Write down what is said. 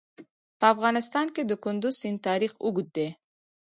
په افغانستان کې د کندز سیند تاریخ اوږد دی.